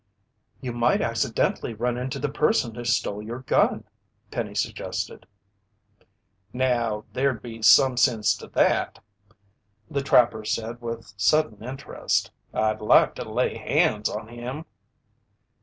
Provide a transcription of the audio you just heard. "You might accidently run into the person who stole your gun," Penny suggested. "Now, there'd be some sense to that," the trapper said with sudden interest. "I'd like to lay hands on him!"